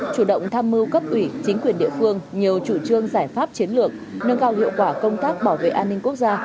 chủ động tham mưu cấp ủy chính quyền địa phương nhiều chủ trương giải pháp chiến lược nâng cao hiệu quả công tác bảo vệ an ninh quốc gia